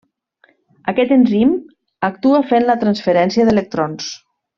Aquest enzim actua fent la transferència d'electrons.